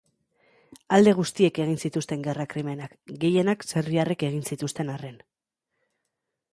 Alde guztiek egin zituzten gerra krimenak, gehienak serbiarrek egin zituzten arren.